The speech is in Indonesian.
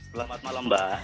selamat malam mbak